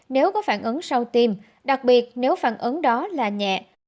nếu có phản ứng sau tim đặc biệt nếu phản ứng đó là nhẹ